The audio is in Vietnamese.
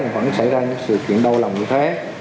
vẫn xảy ra những sự kiện đau lòng như thế